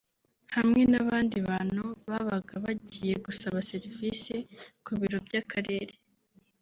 hamwe n’abandi bantu babaga bagiye gusaba serivisi ku biro by’Akarere